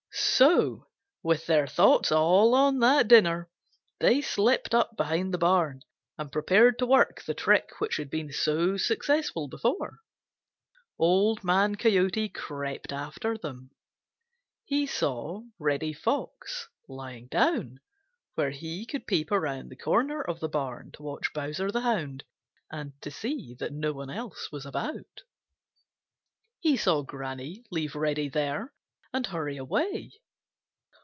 So with their thoughts all on that dinner they slipped up behind the barn and prepared to work the trick which had been so successful before. Old Man Coyote crept after them. He saw Reddy Fox lie down where he could peep around the corner of the barn to watch Bowser the Hound and to see that no one else was about. He saw Granny leave Reddy there and hurry away.